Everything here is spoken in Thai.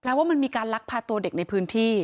ว่ามันมีการลักพาตัวเด็กในพื้นที่